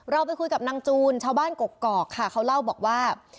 เราไปคุยกับนางจูนชาวบ้านกกอกค่ะเขาเล่าบอกว่า